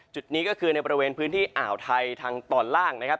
จุดนี้ก็คือในบริเวณพื้นที่อ่าวไทยทางตอนล่างนะครับ